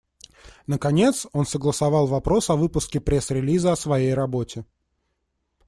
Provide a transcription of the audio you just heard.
Наконец, он согласовал вопрос о выпуске пресс-релиза о своей работе.